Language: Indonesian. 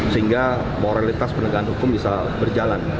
sehingga moralitas penegakan hukum bisa berjalan